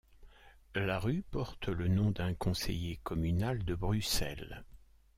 La rue porte le nom d'un conseiller communal de Bruxelles.